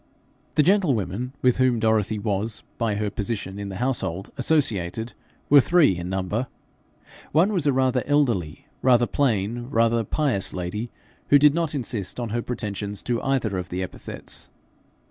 The gentlewomen with whom Dorothy was, by her position in the household, associated, were three in number. One was a rather elderly, rather plain, rather pious lady, who did not insist on her pretensions to either of the epithets.